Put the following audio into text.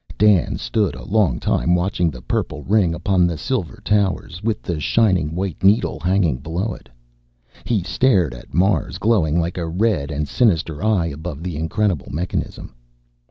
Dan stood a long time, watching the purple ring upon the silver towers, with the shining white needle hanging below it. He stared at Mars, glowing like a red and sinister eye above the incredible mechanism.